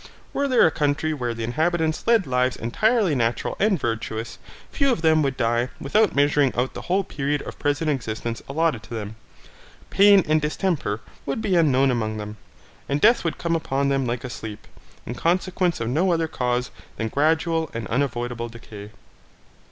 Were there a country where the inhabitants led lives entirely natural and virtuous, few of them would die without measuring out the whole period of present existence allotted to them; pain and distemper would be unknown among them, and death would come upon them like a sleep, in consequence of no other cause than gradual and unavoidable decay.